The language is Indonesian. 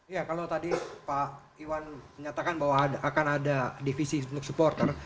ya kalau tadi pak iwan menyatakan bahwa akan ada divisi untuk supporter